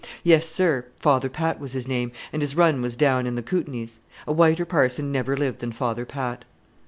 Yes, sir; Father Pat was his name, and his run was down in the Kootenays. A whiter parson never lived than Father Pat."